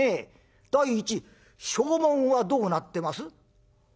第一証文はどうなってます？」。